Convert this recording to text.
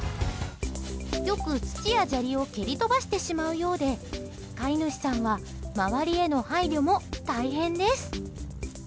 よく土や砂利を蹴り飛ばしてしまうようで飼い主さんは周りへの配慮も大変です。